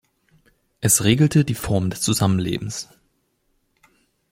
Es regelte die Form des Zusammenlebens.